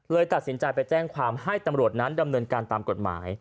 ตัดสินใจไปแจ้งความให้ตำรวจนั้นดำเนินการตามกฎหมาย